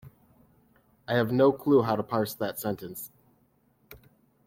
I have no clue how to parse that sentence.